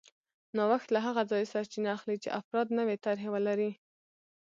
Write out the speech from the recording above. نوښت له هغه ځایه سرچینه اخلي چې افراد نوې طرحې ولري